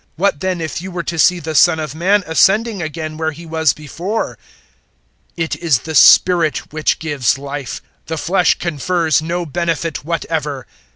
What then if you were to see the Son of Man ascending again where He was before? 006:063 It is the spirit which gives Life. The flesh confers no benefit whatever.